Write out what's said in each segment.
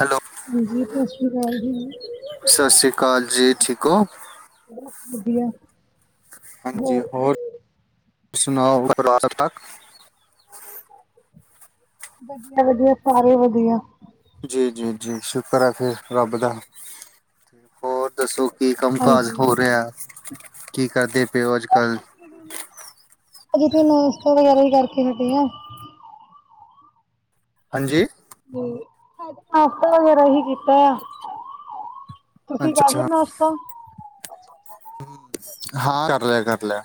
Hello, ਹਾਂਜੀ ਸਤਿ ਸ੍ਰੀ ਅਕਾਲ ਜੀ। ਸਤਿ ਸ੍ਰੀ ਅਕਾਲ ਜੀ, ਠੀਕ ਹੋ ਬਸ ਵਧੀਆ ਹਾਂਜੀ ਹੋਰ ਸੁਣਾਓ, ਹੋਰ ਪਰਿਵਾਰ ਠੀਕ ਠਾਕ ਵਧੀਆ ਵਧੀਆ, ਸਾਰੇ ਵਧੀਆ ਜੀ ਜੀ ਜੀ ਸ਼ੁਕਰ ਹੈ ਫਿਰ ਰੱਬ ਦਾ, ਹੋਰ ਦੱਸੋ ਕੀ ਕੰਮ ਕਾਜ ਹਾਂਜੀ ਹੋ ਰਿਹਾ, ਕੀ ਕਰਦੇ ਪਏਓ ਅੱਜ ਕੱਲ ਅਜੇ ਤੇ ਨਾਸ਼ਤਾ ਵਗੈਰਾ ਵੀ ਕਰਕੇ ਹਟੀਂ ਆਂ ਹਾਂਜੀ ਨਾਸ਼ਤਾ ਵਗੈਰਾ ਹੀ ਕੀਤਾ ਐ, ਤੁਸੀਂ ਅੱਛਾ ਕਰ ਲੇਯਾ ਨਾਸ਼ਤਾ ਤਾਂ ਹੂ, ਹਾਂ ਕਰ ਲਿਆ, ਕਰ ਲਿਆ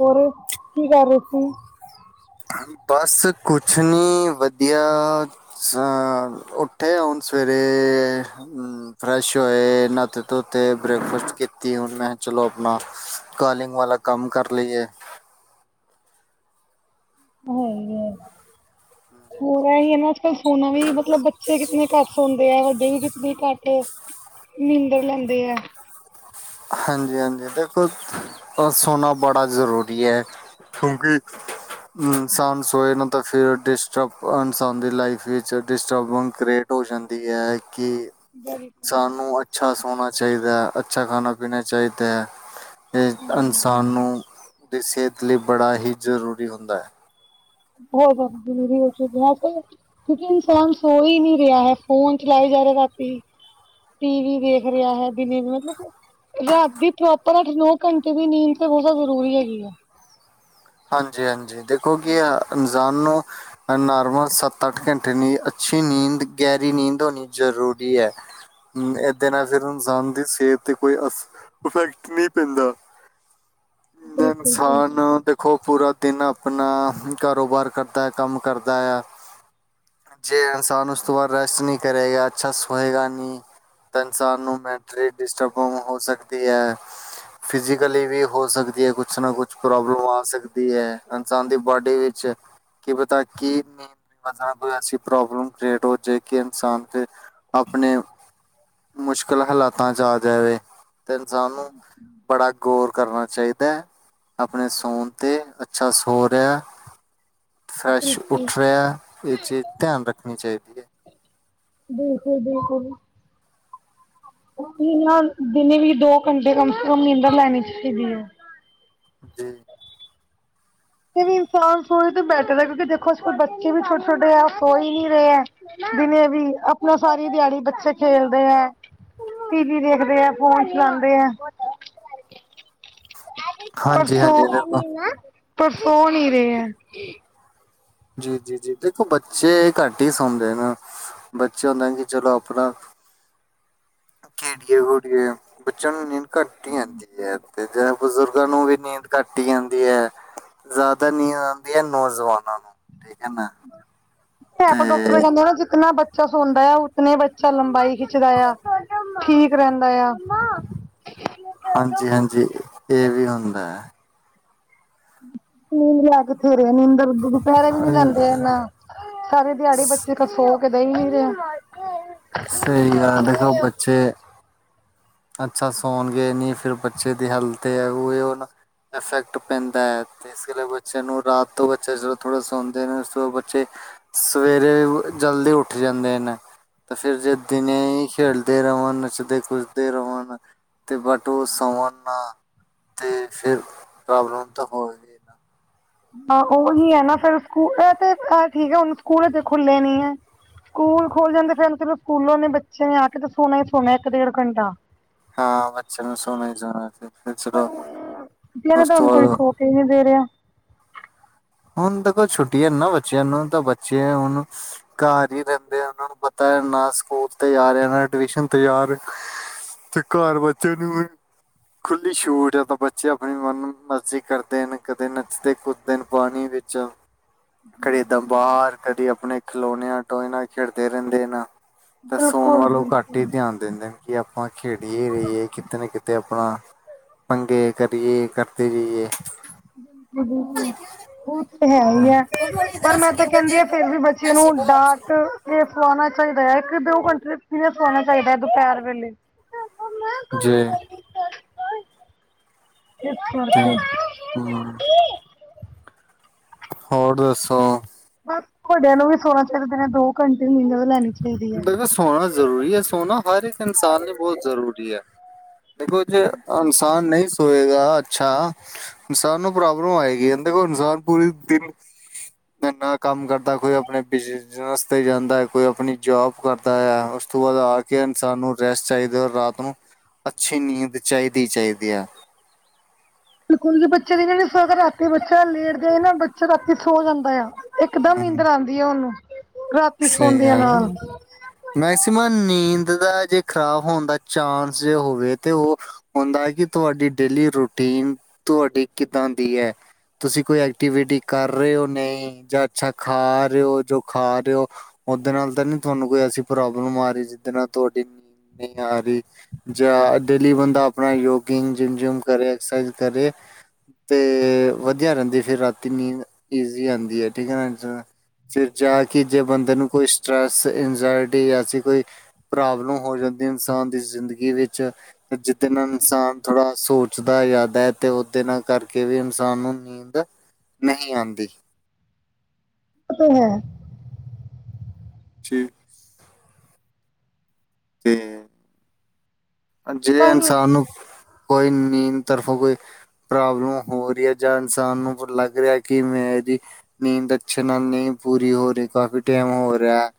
ਹੋਰ, ਕੀ ਕਰ ਰਹੇ ਤੂੰ ਬਸ ਕੁਛ ਨੀ, ਵਧੀਆ ਉੱਠੇ ਹੁਣ ਸਵੇਰੇ ਹੂ ਫਰੈਸ਼ ਹੋਏ, ਨਾਤੇ ਧੋਤੇ, ਬ੍ਰੇਕਫਾਸਟ ਕੀਤੀ, ਹੁਣ ਮੈਂ ਕਿਹਾ ਚਲੋ ਆਪਣਾ ਕਾਲਿੰਗ ਵਾਲਾ, ਕੰਮ ਕਰ ਲਈਏ ਹਾਂਜੀ ਹਾਂਜੀ [inaudible] ਹੁਨ ਏ ਹੀ ਹੈ ਨਾ, ਅੱਜ ਕੱਲ੍ਹ ਸੋਣਾ ਵੀ, ਮਤਲਬ ਬੱਚੇ ਕਿਤਨੇ ਘੱਟ ਸੋਂਦੇ ਆ, ਵੱਡੇ ਵੀ ਕਿਤਨੇ ਘੱਟ ਨੀਂਦਰ ਲੈਂਦੀ ਆ ਹਾਂਜੀ ਹਾਂਜੀ ਦੇਖੋ, ਪਰ ਸੋਣਾ ਬੜਾ ਜ਼ਰੂਰੀ ਹੈ ਕਿਉਂਕਿ ਇਨਸਾਨ ਸੋਏ ਨਾ ਤਾਂ ਫਿਰ ਡਿਸਟਰਬ, ਇਨਸਾਨ ਦੀ ਲਾਈਫ ਵਿੱਚ ਡਿਸਟਰਬ ਬੈਨਸ ਹੋ ਜਾਂਦੀ ਹੈ, ਕਿ ਬਿਲਕੁਲ ਇਨਸਾਨ ਨੂੰ ਅੱਛਾ ਸੋਣਾ ਚਾਹੀਦਾ ਹੈ, ਅੱਛਾ ਖਾਣਾ ਪੀਣਾ ਚਾਹੀਦਾ ਹੈ ਇਹ ਹਮ ਇਨਸਾਨ ਨੂੰ, ਦੀ ਸਿਹਤ ਲਈ ਬੜਾ ਹੀ ਜ਼ਰੂਰੀ ਹੁੰਦਾ ਹੈ [inaudible] ਹੋ ਬਾਾਬ ਜਨਰੀ ਸ਼ਧ ਆਪ ਕਿਯੁਂਕਿ ਇਨਸਾਨ ਸੋ ਈ ਨੀ ਰੇਆ ਹੈ ਫੋਨ ਚਲਾਏ ਜਾ ਰੇਆ ਰਾਤੀ। ਟੀ ਵੀ ਵੇਖ ਰਿਹਾ ਹੈ, ਦਿਨੇ ਵੀ, ਮਤਲਬ ਰਾਤੀ ਪ੍ਰੋਪਰ ਅੱਠ ਨੋ ਘੰਟੇ ਦੀ ਨੀਂਦ ਤੇ ਬਹੁਤ ਜ਼ਰੂਰੀ ਹੈਗੀ ਆ ਹਾਂਜੀ ਹਾਂਜੀ, ਦੇਖੋ ਕਿ ਐ, ਇਨਸਾਨ ਨੂੰ ਅ ਨਾਰਮਲ ਸਾੱਤ ਆੱਠ ਘੰਟੇ ਨਿ ਅੱਛੀ ਨੀਂਦ ਗਹਿਰੀ ਨੀਂਦ ਓਨੀ ਜ਼ਰੂਰੀ ਐ। ਏਦੇ ਨਾਲ ਫਿਰ ਇਨਸਾਨ ਦੀ ਸਿਹਤ ਤੇ ਕੋਈ ਇਫੈਕਟ ਨਹੀਂ ਪੈਂਦਾ [unintelligible] ਜਿੰਦਾ ਬਿਲਕੁਲ ਬਿਲਕੁਲ ਇਨਸਾਨ ਖੋ ਪੂਰਾ ਦਿਨ ਆਪਣਾ, ਕਾਰੋਬਾਰ ਕਰਦਾ ਹੈ, ਕੰਮ ਕਰਦਾ ਆ ਜੇ ਇਨਸਾਨ ਉਸ ਤੋਂ ਬਾਅਦ ਰੈਸਟ ਨਹੀਂ ਕਰੇਗਾ, ਅੱਛਾ ਸੋਹੇਗਾ ਨਹੀਂ ਤਾਂ ਇਨਸਾਨ ਨੂੰ ਮੈਂਟਲੀ ਡਿਸਟਰਬ ਹੋ ਸਕਦੀ ਐ। ਫਿਜ਼ਕਲੀ ਵੀ ਹੋ ਸਕਦੀ ਏ, ਕੁਛ ਨਾ ਕੁਛ ਪ੍ਰੋਬਲਮਾਂ ਸਕਦੀ ਐ, ਇਨਸਾਨ ਦੀ ਬੌਡੀ ਵਿੱਚ। ਕੀ ਪਤਾ ਕੀ, ਨੀਂਦ ਬ ਕੋਈ ਐਸੀ ਪ੍ਰੋਬਲਮ ਕ੍ਰਿਏਟ ਹੋਜੇ ਕਿ ਇਨਸਾਨ ਦੇ, ਆਪਣੇ ਮੁਸ਼ਕਿਲ ਹਾਲਾਤਾਂ'ਚ ਆ ਜਾਵੇ, ਤੇ ਇਨਸਾਨ ਨੂੰ ਬੜਾ ਗੌਰ ਕਰਨਾ ਚਾਹੀਦਾ, ਆਪਣੇ ਸੋਣ ਤੇ, ਅੱਛਾ ਸੋ ਰਿਹਾ ਫਰੈਸ਼ ਬਿਲਕੁਲ ਉੱਠ ਰਿਹਾ, ਇਹ ਚੀਜ਼ ਧਿਆਨ ਰੱਖਣੀ ਚਾਹੀਦੀ ਏ। ਬਿਲਕੁਲ-ਬਿਲਕੁਲ। ਨਾ, ਦਿਨੇ ਵੀ ਦੋ ਘੰਟੇ ਕਮ ਸੇ ਕਮ ਨੀਂਦਰ ਲੈਣੀ ਚਾਹੀਦੀ ਏ। ਜੀ। ਵੈਸੇ ਵੀ ਇਨਸਾਨ ਸੋਏ ਤੇ ਬੈਠੇ ਹੈ, ਕਿਉਂਕਿ ਦੇਖੋ ਅਲ ਬੱਚੇ ਵੀ ਛੋਟੇ-ਛੋਟੇ ਆ, ਉਹ ਸੋਏ ਹੀ ਨਹੀਂ ਰਹੇ ਹੈ। ਦਿਨੇ ਵੀ, ਅਪਣਾ ਸਾਰੀ ਦਿਹਾੜੀ ਬੱਚੇ ਖੇਲਦੇ ਹੈ। ਟੀਵੀ ਦੇਖਦੇ ਆ, ਫੋਨ ਚਲਾਂਦੇ ਆ। ਪਰ ਹਾਂਜੀ ਸੋ, ਹਾਂਜੀ ਦੇਖੋ ਪਰ ਸੋ ਨਹੀ ਰਹੇ ਹੈ। ਜੀ, ਜੀ, ਜੀ ਦੇਖੋ ਬੱਚੇ ਘੱਟ ਹੀ ਸੌਂਦੇ ਨਾ, ਬੱਚਿਆ ਨ ਹੁੰਦੇ ਕਿ ਚਲੋ ਆਪਣਾ ਖੇਡੀਏ-ਖੁਡੀਏ, ਬੱਚਿਆਂ ਨੂੰ ਘੱਟ ਹੀ ਆਂਦੀ ਏ, ਯਾਰ। ਤੇ, ਜ ਬਜ਼ੁਰਗਾਂ ਨੂੰ ਵੀ ਨੀਂਦ ਘੱਟ ਹੀ ਆਂਦੀ ਐ, ਜ਼ਿਆਦਾ ਨੀਂਦ ਆਂਦੀ ਐ ਨੌਜਵਾਨ। ਹੈ, ਪਚ ਡੌਕਟਰ ਤੇ ਕਹਿੰਦਾ ਨਾ, ਜਿਤਨਾ ਬੱ ਬੱਚਾ ਸੋਂਦਾ ਆ, ਉਤਨੇ ਬੱਚਾ ਲੰਬਾਈ ਖਿੱਚਦਾ ਯਾ, ਠੀਕ ਰਹਿੰਦਾ ਯਾਂ। ਹਾਂਜੀ-ਹਾਂਜੀ, ਇਹ ਵੀ ਹੁੰਦਾ ਹੈ। ਨੀਂਦਰਾ ਕਿੱਥੇ, ਨੀਂਦਰ ਦੁਪਹਿਰੇ ਵੀ ਨੀ ਲੈਂਦੇ ਐ ਨਾ। ਸਾਰੇ ਦਿਹਾੜੀ ਬੱਚੇ, ਖ ਸੋ ਕਦੇ ਨੀ ਰਹੇ। ਸਹੀ ਗੱਲ ਦੇਖੋ, ਬੱਚੇ ਅੱਛਾ ਸੌਣਗੇ ਨਹੀਂ, ਫਿਰ ਬੱਚੇ ਦੀ ਹੈਲਥ ਹੈ, ਉਹ ਇਫੈਕਟ ਪੈਂਦਾ ਹੈ। ਇਸ ਲੀਏ ਗ ਬੱਚਿਆਂ ਨੂੰ ਰਾਤ ਤੋਂ ਬੱਚਾ ਜਦੋਂ ਥੋੜ੍ਹਾ ਸੌਂਦੇ ਨੇ, ਉਸ ਤੋਂ ਬੱਚੇ ਸਵੇਰੇ, ਜਲਦੀ ਉੱਠ ਜਾਂਦੇ ਨੇ। ਤੇ, ਫਿਰ ਜੇ ਦਿਨੇ ਹੀ ਖੇਲਦੇ ਰਵਣ, ਨੱਚਦੇ-ਕੁਦ ਰਵਣ, ਤੇ ਬਟ ਉਹ ਸੋਣ ਨਾ ਤੇ ਫਿਰ, ਪ੍ਰੌਬਲਮ ਤਾਂ ਹੋ [inaudible] ਹਾਂ, ਉਹੀ ਐ ਨਾ ਫਿਰ ਸਕੂਲ, ਐਤੇ ਠੀਕ ਐ, ਸਕੂਲ ਅਜੇ ਖੁੱਲੇ ਨੀ, ਹੈ। ਸਕੂਲ ਖੁਲ ਜਾਂਦੇ ਫਿਰ, ਚਲੋ ਸਕੂਲੋਂ ਓਹਨੇ ਬੱਚੇ ਨੇ ਆਕੇ ਤੇ, ਸੋਨਾ ਹੀ ਸੋਣਾ ਇੱਕ, ਡੇਢ ਘੰਟਾ। ਹਾਂ, ਬੱਚਿਆ ਨੇ, ਸੋਣਾ ਹੀ ਸੋਣਾ ਸੀ। ਦਿਨੇ ਤਾਂ ਹੁਨ ਕੋਈ, ਬਾਅਦ ਸੋਕੇ ਹੀ ਨੀ ਦੇ ਰਿਹਾ। ਹੁਣ ਦੇਖੋ ਛੁੱਟੀਆਂ ਨ ਨਾ, ਬੱਚਿਆਂ ਨੂੰ, ਤਾਂ ਬੱਚੇ ਹੁਣ ਘਰ ਹੀ ਰਹਿੰਦੇ ਆ, ਉਹਨਾਂ ਨੂੰ ਪਤਾ ਨਾ ਸਕੂਲ ਤਿਆਰ ਏ, ਨਾ ਟਿਊਸ਼ਨ ਤੇ ਜਾ ਰਿਹੈ। ਤੇ, ਘਰ ਬੱਚਿਆਂ ਨੂੰ ਵੀ ਖੁੱਲੀ ਛੂਟ ਏ, ਤਾਂ ਬੱਚੇ ਆਪਣੀ ਮਨ-ਮਰਜ਼ੀ ਕਰਦੇਨ, ਕਦੇ ਨੱਚਦੇ-ਕੁੱਦਦੇਨ। ਪਾਣੀ ਵਿੱਚ। ਘਰੇ ਤਾ ਬਾਹਰ, ਕਦੇ ਆਪਣੇ ਖਿਲੋਣਿਆਂ, ਟੋਏ ਨਾਲ ਖੇਡਦੇ ਰਹਿੰਦੇ ਨਾ। ਤਿ ਸੋਣ ਬਿਲਕੁਲ ਵੱਲੋਂ, ਘੱਟ ਹੀ ਬਿਲਕੁਲ ਧਿਆਨ ਦੇੰਦੇਨ ਕਿ ਆਪਾਂ ਖੇਡੀਏ ਰਹੀਏ, ਕਿਤੇ ਨਾ ਕਿਤੇ ਆਪਣਾ ਪੰਗੇ, ਕਦੀ ਏ ਕਰਦੇ ਰਈਏ। ਹੂੰ, ਹੋਰ। ਓ ਤੇ ਹਾਂ, ਹੈਹੀ ਹੈ, ਪਰ ''ਮੈਂ ਤਾਂ ਕਹਿੰਦੀ ਆ ਫਿਰ ਵੀ ਬੱਚਿਆਂ ਨੂੰ, ਡਾਟ ਇਹ ਫਲਾਉਣਾ ਚਾਹੀਦਾ, ਇੱਕ-ਦੋ ਘੰਟੇ ਕਿਵੇਂ ਸੋਣਾ ਚਾਹੀਦਾ ਹੈ ਦੁਪਹਿਰ ਵੇਲੇ। ਜੇ। ਕੇ ਤੇ ਸੁਣਕੇ ਹਮ, ਹੋਰ ਦੱਸੋ। ਬਸ ਤੁਹਾਡਿਆਂ ਨੂੰ ਵੀ ਸੋਹਣਾ ਚਾਇਦਾ ਦਿਨੇ ਦੋ ਘੰਟੇ ਨਿਂਦਰ ਲੈਣੀ ਚਾਹੀਦੀ ਹੈ। ਦੇਖੋ ਸੋਣਾ ਜ਼ਰੂਰੀ ਹੈ ਸੋਣਾ ਹਰ ਇੱਕ ਇਨਸਾਨ ਲਈ ਬਹੁਤ ਜ਼ਰੂਰੀ ਹੈ। ਜੇ ਕੁਝ ਇਨਸਾਨ ਨਹੀਂ ਸੀ। ਹੋਏਗਾ ਅੱਛਾ ਇਨਸਾਨ ਨੂੰ ਪ੍ਰੋਬਲਮ ਆਏਗੀ ਕਿੰਦੇ ਕੋਲ ਇਨਸਾਨ ਪੂਰੀ ਦਿਨ। ਇੰਨਾ ਕੰਮ ਕਰਦਾ ਕੋਈ ਆਪਣੇ ਬਿਜਨਸ ਦੇ ਰਸਤੇ ਜਾਂਦਾ। ਕੋਈ ਆਪਣੀ ਜੋਬ ਕਰਦਾ ਹੈ ਉਸ ਤੋਂ ਬਾਅਦ ਆ ਕੇ ਇਨਸਾਨ ਨੂੰ ਰੈਸਟ ਚਾਹੀਦਾ ਔਰ ਰਾਤ ਨੂੰ। ਅੱਛੀ ਨੀਂਦ ਚਾਈ ਦੀ ਚਾਈ ਦੀ ਆ। ਬਿਲਕੁਲ ਜੇ ਬੱਚੇ ਦਿਨੇ ਨਈ ਸੋਇਗਾ, ਰਾਤੀ ਬੱਚਾ ਲੇਟ ਜੇ ਨਾ ਬੱਚਾ ਰਾਤੀ ਸੌ ਜਾਂਦਾ ਯਾ। ਇਕਦਮ ਹਮ ਨੀਂਦਰ ਆਉਂਦੀ ਆ ਔਹਨੂੰ ਰਾਤ। ਸਹੀ ਗੱਲ ਐ। ਮੈਕਸੀਮਮ ਨੀਂਦ ਦਾ ਜੇ ਖ਼ਰਾਬ ਹੋਣ ਦਾ ਚਾਂਸ ਜੇ ਹੋਵੇ ਤੇ ਔਹ। ਹੁੰਦਾ ਕਿ ਤੁਹਾਡੀ ਡੇਲੀ ਰੂਟੀਨ ਤੁਹਾਡੀ ਕਿੱਦਾਂ ਦੀ ਹੈ। ਤੁਸੀਂ ਕੋਈ ਐਕਟੀਵਿਟੀ ਕਰ ਰਹੇ ਹੋ ਨਹੀਂ ਜਾਂ ਅੱਛਾ ਖਾ ਰਹੇ ਹੋ ਜੋ ਖਾ ਰਹੇ ਹੋ। ਓਦੇ ਨਾਲ ਤਾਂ ਨਹੀਂ ਤੁਹਾਨੂੰ ਕੋਈ ਐਸੀ ਪ੍ਰੋਬਲਮ ਆ ਰਹੀ ਜਿਦੇ ਨਾਲ ਤੁਹਾਡੀ ਨੀਂਦ ਨਈ ਆ ਰਹੀ‌। ਜਾਂ ਡੇਲੀ ਬੰਦਾ ਆਪਣਾ ਯੋਗਿੰਗ ਜਿੰਮ ਜਿਮ ਕਰੇ ਐਕਸਰਸਾਈਜ਼ ਕਰੇ। ਤੇ, ਵਧੀਆ ਰਹਿੰਦੀ ਫਿਰ ਰਾਤੀ ਨੀਂਦ ਈਜ਼ੀ ਆਉਂਦੀ ਹੈ। ਠੀਕ ਹੈ ਨਾ ਜ ਫਿਰ ਜਾ ਕਿ ਜੇ ਬੰਦੇ ਨੂੰ ਕੋਈ ਸਟਰੈਸ ਇੰਜਾਇਟੀ ਐਸੀ ਕੋਈ। ਪ੍ਰੋਬਲਮ ਹੋ ਜਾਂਦੀ ਏ ਇਨਸਾਨ ਦੀ ਜ਼ਿੰਦਗੀ ਵਿੱਚ। ਜਿਦੇ ਨਾਲ ਇਨਸਾਨ ਥੋੜਾ ਸੋਚਦਾ ਯਿਆਦਾ ਹੈ ਤੇ ਓਦੇ ਨਾਲ ਕਰਕੇ ਵੀ ਇਨਸਾਨ ਨੂੰ। ਨੀਂਦ ਨਹੀਂ ਆਉਂਦੀ। ਇਹ ਤੇ ਹੈ। ਛੀ ਤੇ ਜੇ ਸਹੀ ਇਨਸਾਨ ਨੂੰ ਕੋਈ ਨੀਂਦ ਤਰਫੋ ਕੋਈ। ਪ੍ਰੋਬਲਮ ਹੋ ਰਹੀ ਹੈ। ਜਾਂ ਇਨਸਾਨ ਨੂੰ ਲੱਗ ਰਿਹਾ ਕਿ ਮੈਂ ਏਦੀ ਨੀਂਦ ਅੱਛੇ ਨਾਲ ਨ‌ਈਂ ਪੂਰੀ ਹੋ ਰ‌ਈ, ਕਾਫੀ ਟੈਂਮ ਹੋ ਰਿਆ।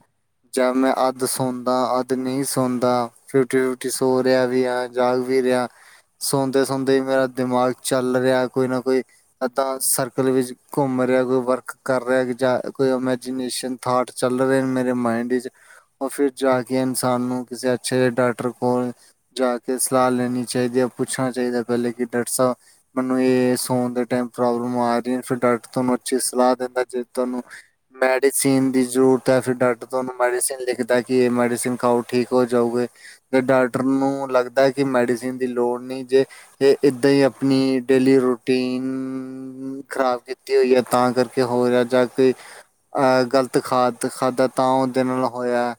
ਜ ਮੈਂ ਅੱਧ ਸੌਦਾ ਅੱਧ ਨਹੀਂ ਸੌਦਾ ਫਿਫਟੀ ਫਿਫਟੀ ਸੋ ਰਿਆ ਵੀ ਆ ਜਾਗ ਵੀ ਰਿਆ। ਸੌਦੇ -ਸੌਣ ਦੇ ਹੀ ਮੇਰਾ ਦਿਮਾਗ ਚੱਲ ਰਿਹਾ, ਕੋਈ ਨਾ ਕੋਈ। ਏਦਾਂ ਸਰਕਲ ਵਿੱਚ ਘੁੰਮ ਰਿਹਾ, ਕੋਈ ਵਰਕ ਕਰ ਰਿਹਾ, ਜਾਂ ਕੋਈ ਇਮੈਜੀਨੇਸ਼ਨ। ਥਾਟ ਚੱਲ ਰਹੇ ਮੇਰੇ ਮਾਈਂਡ ਇਚ। ਫਿਰ ਜਾ ਕੇ ਇਨਸਾਨ ਨੂੰ ਕਿਸੇ ਅੱਛੇ ਡਾਕਟਰ ਕੋਲ। ਜਾ ਕੇ ਸਲਾਹ ਲੈਣੀ ਚਾਹੀਦੀ ਹੈ, ਪੁੱਛਣਾ ਚਾਹੀਦਾ ਪਹਿਲੇ ਕਿ ਡਾਕਟਰ ਸਾਹਿਬ। ਮੈਨੂੰ ਇਹ ਸੋਣ ਦੇ ਟਮ ਪ੍ਰੋਬਲਮ ਆ ਰਹੀ ਹੈ। ਫਿਰ ਡਾਕਟਰ ਤੁਹਾਨੂੰ ਅੱਛੀ ਸਲਾਹ ਦਿੰਦਾ ਜਿਵੇਂ ਤੁਹਾਨੂੰ। ਮੈਡੀਸਨ ਦੀ ਜ਼ਰੂਰਤ ਹੈ ਫਿਰ ਡਾਕਟਰ ਤੁਹਾਨੂੰ ਮੈਡੀਸਨ ਲਿਖਦਾ ਕਿ ਇਹ ਮੈਡੀਸਨ ਖਾਓ ਠੀਕ ਹੋ ਜਾਔਗੇ। ਤੇ ਡਾਕਟਰ ਨੂੰ ਲੱਗਦਾ ਕਿ ਮੈਡੀਸਨ ਦੀ ਲੋੜ ਨਹੀਂ ਜੇ। ਇਹ ਏਦਾਂ ਹੀ ਆਪਣੀ ਡੇਲੀ ਰੂਟੀਨ। ਨ ਖ਼ਰਾਬ ਕੀਤੀ ਹੋਈ ਹੈ, ਤਾਂ ਕਰਕੇ ਹੋ ਰਿਹਾ ਜਾ ਕੇ। ਆ ਗ਼ਲਤ ਖਾਨ ਖਾਧਾਂ ਤਾਂ ਔਹਦੇ ਨਾਲ ਹੋਇਆ।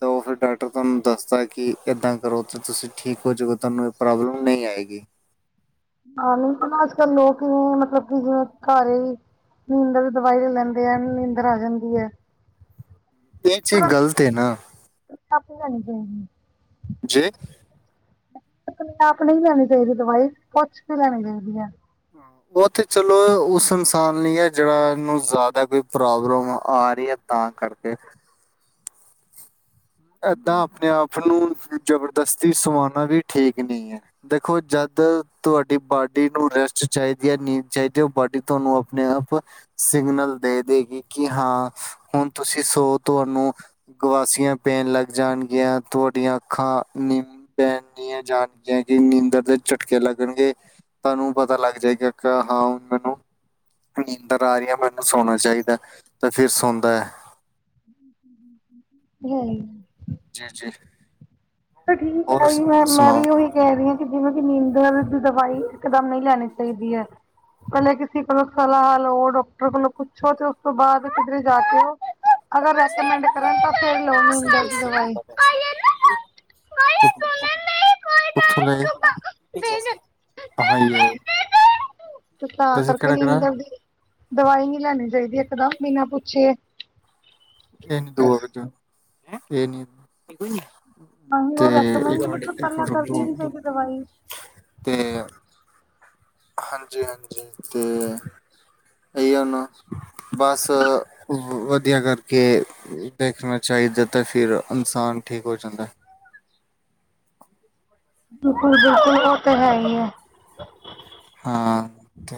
ਤਾਂ ਔਹ ਫਿਰ ਡਾਕਟਰ ਤੁਹਾਨੂੰ ਦੱਸਦਾ ਕਿ ਇਦਾਂ। ਕਰੋ ਤਾਂ ਤੁਸੀ ਠੀਕ ਹੋਜੂਗਾ ਤਹਾਨੂੰ ਇਹ ਪ੍ਰੋਬਲਮ ਨਈ ਆਏਗੀ। ਹਾ ਨ‌ਈਂ ਤੇ ਨਾ ਅੱਜ-ਕੱਲ ਲੋਕ, ਮਤਲਬ ਕਿ ਜਿਵੇ ਘਾਰੇ ਵੀ ਨੀਂਦਰ ਦੀ ਦਵਾਈ ਲਿ ਲੈਂਦੇ ਐ, ਨੀਂਦਰ ਆ ਜਾਂਦੀ ਏ। ਇਹੀ ਚੀਜ਼ ਗਲਤ ਏ ਨਾ ਆਪੇ ਲੈਣੀ ਚਾਈਂਦੀ। ਜੇ ਆਪਣੇ ਆਪ ਨਹੀਂ ਲੈਣੀ ਚਾਹੀਦੀ ਦਵਾਈ, ਪੁੱਛ ਕੇ ਲੈਣੀ ਚਾਹੀਦੀ ਹੈ। ਉਹ ਤੇ ਚਲੋ ਉਸ ਇਨਸਾਨ ਲਈ ਹੈ। ਜਿਹਨਾ ਨੂੰ ਜ਼ਿਆਦਾ ਕੋਈ ਪ੍ਰੋਬਲਮ ਆ ਰਹੀ ਹੈ। ਤਾਂ ਕਰਕੇ ਏਦਾ ਆਪਣੇ ਆਪ ਨੂੰ ਜਬਰਦਸਤੀ ਸਵਾਣਾ ਵੀ ਠੀਕ ਨਹੀ ਹੈ। ਦੇਖੋ ਜਦ ਤੁਹਾਡੀ ਬਾਡੀ ਨੂੰ ਰੈਸਟ ਚਾਹੀਦੀ ਹੈ। ਨੀਂਦ ਚਾਹੀਦੀ ਹੈ। ਉਹ ਬਾਡੀ ਤੁਹਾਨੂੰ ਆਪਣੇ ਆਪ ਸਿਗਨਲ ਦੇ ਦੇਗੀ ਕਿ, ਹਾਂ, ਹੁਣ ਤੁਸੀ ਸੋ ਤੁਹਾਨੂੰ। ਗਵਾਸੀਆਂ ਪੈਣ ਲੱਗ ਜਾਣਗੀਆ, ਤੁਹਾਡੀਆਂ ਅੱਖਾਂ ਨਿੰਮ। ਪੈਣੀਆਂ ਜਾਣਗੀਆ ਕਿ ਨੀਂਦਰ ਦੇ ਝਟਕੇ ਲੱਗਣਗੇ। ਤੁਹਾਨੂੰ ਪਤਾ ਲੱਗ ਜਾਏਗਾ ਕੇ, ਹਾਂ ਹੁਣ ਮੈਨੂੰ ਨੀਂਦਰ ਆਰੀ ਏ ਮੈਨੂੰ ਸੋਣਾ ਚਾਹੀਦਾ ਤੇ ਫੇਰ ਸੌਂਦਾ ਐ। [inaudible] [inaudible] ਯੀ [inaudible] ਜੀ - ਜੀ। ਤੇ ਠੀਕ ਹੋਰ ਹੈ ਮੈਂ ਸੁਣਾਓ ਵੀ ਉਹੀ ਕਿਹ ਰਹੀ ਹਾਂ ਕਿ ਬੋਹੁਤ ਨੀਂਦਰ ਦੀ ਦਵਾਈ ਇਕ ਦਮ ਨਹੀਂ ਲੈਣੀ ਚਾਹੀਦੀ ਹੈ। ਪੈਲੇ ਕਿਸੀ ਕੋਲੋਂ ਸਲਾਹ ਲੋ ਡਾਕਟਰ ਕੋਲੋਂ ਪੁੱਛੋ ਤੇ ਉਸ ਤੋਂ ਬਾਅਦ ਕਿਧਰੇ ਜਾ ਕੇ ਅਗਰ ਰਕਮੈਂਡ ਕਰਨ ਤਾਂ ਫਿਰ ਲੋ ਦਵਾਈ [inaudible] [inaudible] [inaudible] ਉਠ ਲੇ ਹਾਂ ਯੇ ਤੇ ਤਾਂ ਕਰਕੇ ਨੀਂਦਰ ਦੀ ਦਵਾਈ ਨੀ ਲੈਣੀ ਚਾਹੀਦੀ ਇਕ ਦਮ ਬਿਨਾਂ ਪੁੱਛੇ। ਇਹ ਨੀ ਦੋਆ [unintelligible] ਇਹ ਨੀ [inaudible] ਤਾਂ ਹੀ ਤੇ ਉਹ ਰੈਕਮੈਂਡ ਮਤਲਬ ਪਹਿਲਾਂ ਕਰਨੀ ਨਹੀਂ ਚਾਹੀਦੀ ਦਵਾਈ [unintelligible] ਤੇ [inaudible] ਹਾਂਜੀ- ਹਾਂਜੀ ਤੇ ਏਹੀ ਉ ਨਾ ਬਸ ਵ ਵਧੀਆ ਕਰਕੇ ਦੇਖਣਾ ਚਾਹੀਦਾ ਤਾਂ ਫਿਰ ਇਨਸਾਨ ਠੀਕ ਹੋ ਜਾਂਦਾ। ਬਿਲਕੁਲ [inaudible] ਬਿਲਕੁਲ ਔਹ ਤੇ ਹੈ ਈ ਹੈ। ਹਾਂ, ਤ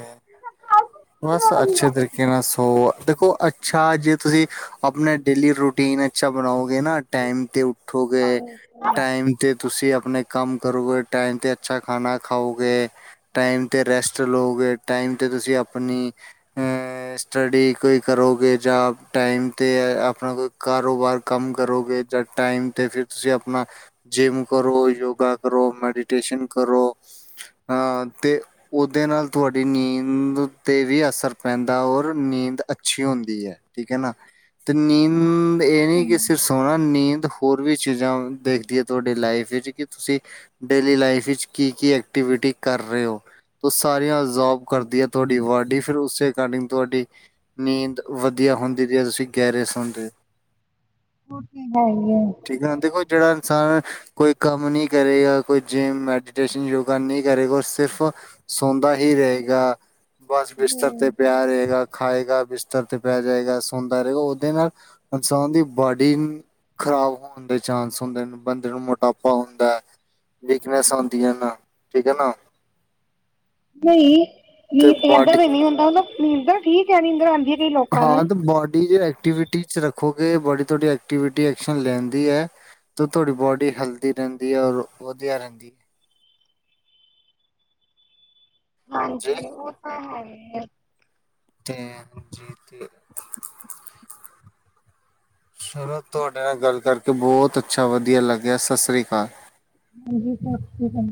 ਬਸ ਅੱਛੇ ਤਰੀਕੇ ਨਾਲ ਸੋ ਦੇਖੋ ਅ ਛਾ ਜੇ ਤੁਸੀਂ ਆਪਣਾ ਡੇਲੀ ਰੂਟੀਨ ਅੱਛਾ ਬਣਾਓਗੇ, ਨਾ ਟਾਈਮ ਤੇ ਠੋ ਗੇ ਟਾਈਮ, ਤੇ ਤੁਸੀਂ ਆਪਣੇ ਕੰਮ ਕਰੋਗੇ ਟਾਈਮ 'ਤੇ ਅੱਛਾ ਖਾਣਾ ਖਾਔਗੇ। ਟਾਈਮ ਤੇ ਰੈਸਟ ਲੋਗੇ, ਟਾਈਮ ਤੇ ਤੁਸੀਂ ਆਪਣੀ [inaudible] [inaudible] ਐਸਟੱਡੀ ਕੋਈ ਕਰੋਗੇ ਜਾਂ ਟਾਈਮ ਤੇ ਆਪਣਾ ਕੋਈ ਕਾਰੋਬਾਰ ਕੰਮ ਕਰੋਗੇ ਜਦ ਟਾਈਮ ਤੇ ਫਿਰ ਤੁਸੀ ਆਪਣਾ ਜਿਮ ਕਰੋ ਯੋਗਾ ਕਰੋ ਮੈਡੀਟੇਸ਼ਨ ਕਰੋ ਆ ਤੇ ਉਹਦੇ ਨਾਲ ਤੁਹਾਡੀ ਨੀਂਦ ਉਤੇ ਵੀ ਅਸਰ ਪੈਂਦਾ ਔਰ ਨੀਂਦ ਅੱਛੀ ਹੁੰਦੀ ਹੈ। ਠੀਕ ਹੈ ਨਾ ਤੇ ਨੀਂ ਇਹ ਨੀ ਕਿ ਸਰਫ ਸੌਣਾ ਨੀਂਦ ਹੋਰ ਵੀ ਚੀਜ਼ਾਂ ਦੇਖਦੀ ਹੈ ਤੁਹਾਡੀ ਲਾਈਫ ਵਿੱਚ ਕਿ ਤੁਸੀਂ ਡੇਲੀ ਲਾਈਫ ਵਿੱਚ ਕੀ- ਕੀ ਐਕਟੀਵਿਟੀ ਕਰ ਰਹੇ ਹੋ ਸਾਰੀਆਂ ਜੋ਼ਬ ਕਰਦੀ ਹੈ ਤੁਹਾਡੀ ਬਾਡੀ ਫਿਰ ਉਸੇ ਐਕਾਰਡਿੰਗ ਤੁਹਾਡੀ ਨੀਂਦ ਵਧੀਆ ਹੁੰਦੀ ਜੇ ਤੁਸੀਂ ਗੈਰੇ ਸੌਦੇ ਹੋ। [unintelligible] [inaudible] ਠੀਕ ਆ ਹੁਣ ਦੇਖੋ ਜਿਹੜਾ ਇਨਸਾਨ ਕੋਈ ਕੰਮ ਨੀ ਕਰੇਗਾ ਕੋਈ ਜਿੰਮ ਮੈਡੀਟੇਸ਼ਨ ਯੋਗਾ ਨੀ ਕਰੇਗਾ ਉਸ ਫ਼ ਸੌਂਦਾ ਹੀ ਰਯੇਗਾ ਬਸ ਬਿਸਤਰ ਤੇ ਪਿਆ ਰਹੇਗਾ। ਖਾਏਗਾ ਬਿਸਤਰ ਤੇ ਪੈ ਜੇਗਾ, ਸੁੰਦਾ ਰਹੇਗਾ, ਔਹਦੇ ਨਾਲ ਇਨਸਾਨ ਦੀ ਬੋਡੀ ਖ਼ਰਾਬ ਹੋਣ ਦੇ ਚਾਂਸ ਹੁੰਦੇ ਨੇ ਬੰਦੇ ਨੂੰ ਮੋਟਾਪਾ ਹੁੰਦਾ ਹੈ। ਵੀਕਨੈਸ ਆਉਂਦੀਆਂ ਨਾ ਠੀਕ ਹੈ ਨਾ, ਨਹੀਂ ਤੇ ਨੀਂਦ ਲੱਗਾ ਬਾਡੀ ਵੀ ਨੀ ਹੁੰਦਾ, ਨੀਂਦ ਠੀਕ ਹੈ ਨੀਂਦਰ ਆਉਂਦੀਆਂ। ਹਾਂ ਬੋਡੀ ਜੋ ਐਕਟੀਵਿਟੀ, ਟੀ 'ਚ ਰੱਖੋਗੇ ਬੋੜੀ ਤੁਹਾਡੀ ਐਕਟੀਵਿਟੀ ਐਕਸ਼ਨ ਲੈਂਦੀ ਹੈ। ਤੇ ਤੁਹਾਡੀ ਬੋਡੀ ਹੈਲਦੀ ਰਹਿੰਦੀ ਹੈ, ਔਰ ਵਧੀਆ ਰਹਿੰਦੀ ਹੈ। ਜੀ ਹਾਂਜੀ ਉਹ ਤਾਂ ਹੈ ਇ ਐ, ਟੈਮ ਜੀ ਤੇ। ਚਲੋ ਤੁਹਾਡੇ ਨਾਲ ਗੱਲ ਕਰਕੇ ਬਹੁਤ ਅੱਛਾ ਵਧੀਆ ਲੱਗਿਆ, ਸਤਿ ਸ੍ਰੀ ਅਕਾਲ, ਹਾਂਜੀ ਸਾਸਰੀ ਕਾਲ,